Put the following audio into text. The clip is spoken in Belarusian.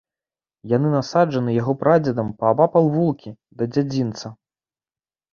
Яны насаджаны яго прадзедам паабапал вулкі да дзядзінца.